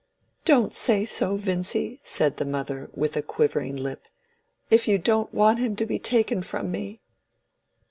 "Don't say so, Vincy," said the mother, with a quivering lip, "if you don't want him to be taken from me."